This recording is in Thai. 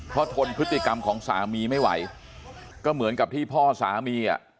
เพราะทนพฤติกรรมของสามีไม่ไหวก็เหมือนกับที่พ่อสามีอ่ะ